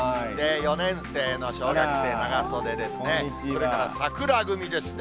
４年生の小学生、長袖ですね、それからさくら組ですね。